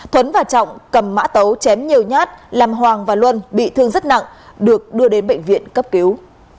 thuấn và trọng cầm mã tấu chém nhiều nhát làm hoàng và luân bị thương rất nặng được đưa đến bệnh viện cấp cứu